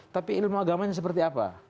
tapi ilmu agamanya seperti apa